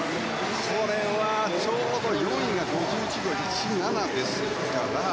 これはちょうど４位が５１秒１７ですから。